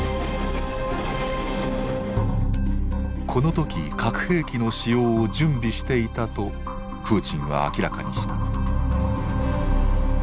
この時核兵器の使用を準備していたとプーチンは明らかにした。